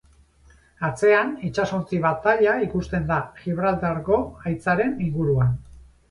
Atzean, itsasontzi-bataila ikusten da Gibraltarko haitzaren inguruan.